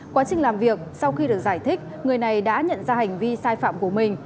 quá trình làm việc sau khi được giải thích người này đã nhận ra hành vi sai phạm của mình